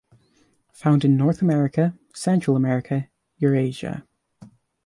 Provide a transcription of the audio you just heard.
Found in North America, Central America, Eurasia.